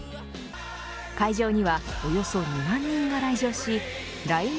会場にはおよそ２万人が来場しＬＩＮＥ